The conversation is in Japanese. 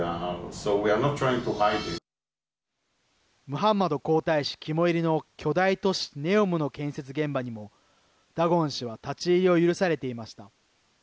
ムハンマド皇太子肝煎りの巨大都市ＮＥＯＭの建設現場にもダゴン氏は立ち入りを許されていました。